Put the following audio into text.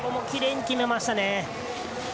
きれいに決めましたね。